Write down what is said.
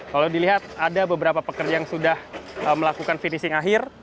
kalau dilihat ada beberapa pekerja yang sudah melakukan finishing akhir